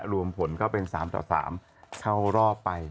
รวมผลก็เป็น๓ต่อ๓เข้ารอบไป